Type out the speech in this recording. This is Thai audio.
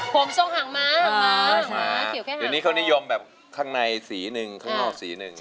ผมดูห่างมากแถวนี้เข้านิยมแบบข้างในสีหนึ่งข้างนอกสีหนึ่ง